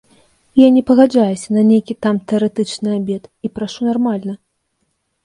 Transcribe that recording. Я не пагаджаюся на нейкі там тэарэтычны абед і прашу нармальны.